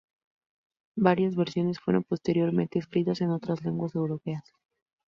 Varias versiones fueron posteriormente escritas en otras lenguas europeas.